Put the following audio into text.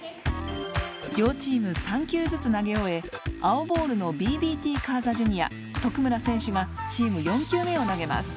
両チーム３球ずつ投げ終え青ボールのＢＢＴＣａｓａｊｒ．徳村選手がチーム４球目を投げます。